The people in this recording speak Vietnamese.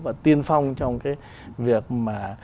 và tiên phong trong cái việc mà